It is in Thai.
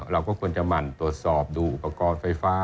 เราก็ควรจะหมั่นตรวจสอบดูอุปกรณ์ไฟฟ้า